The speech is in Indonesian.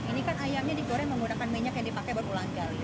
ini kan ayamnya digoreng menggunakan minyak yang dipakai berulang kali